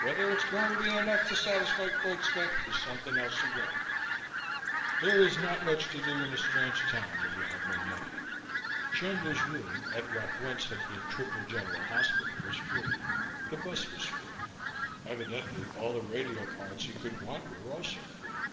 Whether it's going to be enough to satisfy Koitska is something else again." There is not much to do in a strange town when you have no money. Chandler's room at what once had been Tripler General Hospital was free; the bus was free; evidently all the radio parts he could want were also free.